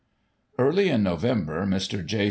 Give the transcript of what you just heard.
Early in November Mr. J.